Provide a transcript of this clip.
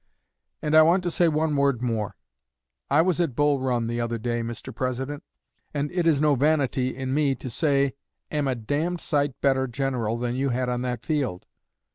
And I want to say one word more. I was at Bull Run the other day, Mr. President, and it is no vanity in me to say am a d d sight better general than you had on that field."